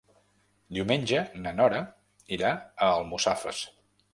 Diumenge na Nora irà a Almussafes.